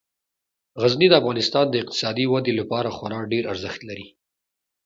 غزني د افغانستان د اقتصادي ودې لپاره خورا ډیر ارزښت لري.